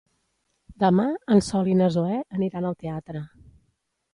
Demà en Sol i na Zoè aniran al teatre.